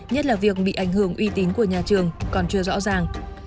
nhất là việc bị ảnh hưởng uy tín của nhà trường còn chưa rõ ràng